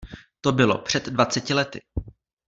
To bylo před dvaceti lety.